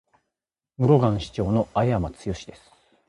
室蘭市長の青山剛です。